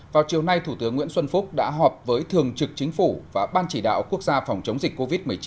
vào chiều nay thủ tướng nguyễn xuân phúc đã họp với thường trực chính phủ và ban chỉ đạo quốc gia phòng chống dịch covid một mươi chín